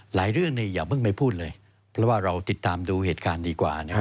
หลายเรื่องอย่าเพิ่งไปพูดเลยเพราะว่าเราติดตามดูเหตุการณ์ดีกว่า